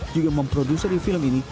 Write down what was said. juga memproduksi film ini